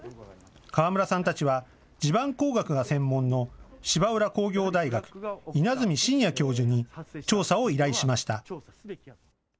河村さんたちは地盤工学が専門の芝浦工業大学・稲積真哉教授に調査を依頼しました。